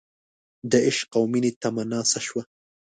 دعشق او مینې تمنا څه شوه